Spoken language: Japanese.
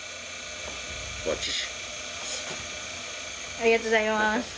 ありがとうございます。